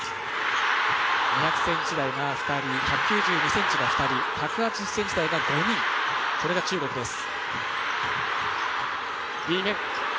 ２００ｃｍ台が２人、１９２ｃｍが２人、１８０ｃｍ台が５人、これが中国です。